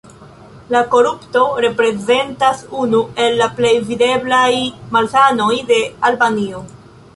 La korupto reprezentas unu el la plej videblaj malsanoj de Albanio.